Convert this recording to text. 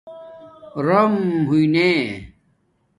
ررَم ہوئئ نے